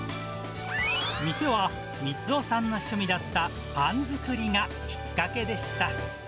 店は光男さんの趣味だったパン作りがきっかけでした。